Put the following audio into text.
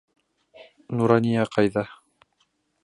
Нурания ҡайҙа?